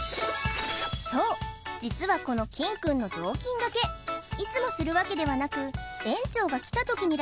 そう実はこのキンくんの雑巾がけいつもするわけではなく園長が来た時にだけする